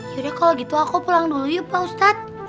sudah kalau gitu aku pulang dulu yuk pak ustadz